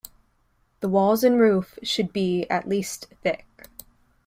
The walls and roof should be at least thick.